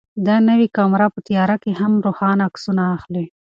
دا نوې کامره په تیاره کې هم روښانه عکسونه اخلي.